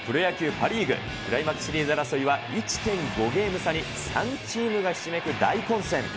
パ・リーグ、クライマックスシリーズ争いは、１．５ゲーム差に３チームがひしめく大混戦。